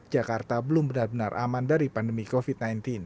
jakarta belum benar benar aman dari pandemi covid sembilan belas